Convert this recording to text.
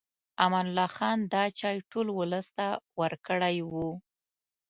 امان الله خان دا چای ټول ولس ته ورکړی و.